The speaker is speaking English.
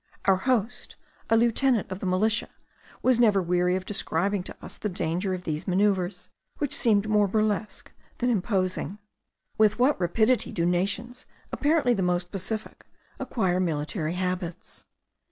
Our host, a lieutenant of the militia, was never weary of describing to us the danger of these manoeuvres, which seemed more burlesque than imposing. With what rapidity do nations, apparently the most pacific, acquire military habits!